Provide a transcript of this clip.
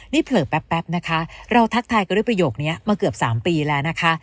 นี่เผลอแป๊บนะคะเราทักทายกันด้วยประโยคนี้มาเกือบ๓ปีแล้วนะคะ